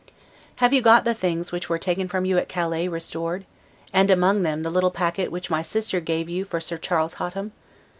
Have you got the things, which were taken from you at Calais, restored? and, among them, the little packet which my sister gave you for Sir Charles Hotham?